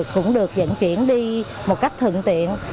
cũng được dẫn chuyển đi một cách thượng tiện